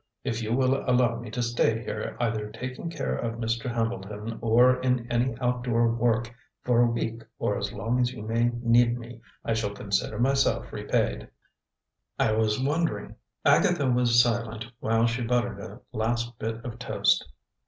If you will allow me to stay here, either taking care of Mr. Hambleton or in any outdoor work, for a week or as long as you may need me, I shall consider myself repaid." Agatha was silent while she buttered a last bit of toast.